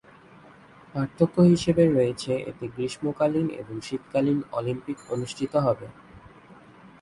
পার্থক্য হিসেবে রয়েছে এতে গ্রীষ্মকালীন ও শীতকালীন অলিম্পিক অনুষ্ঠিত হবে।